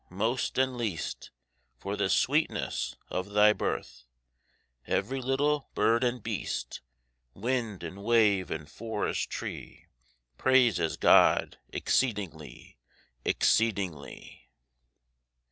most and least! For the sweetness of thy birth Every little bird and beast, Wind and wave and forest tree, Praises God exceedingly, Exceedingly."